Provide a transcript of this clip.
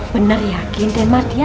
benar ya den mardian